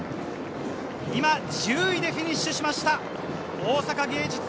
今１０位でフィニッシュしました。